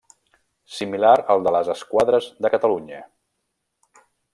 Similar al de les Esquadres de Catalunya.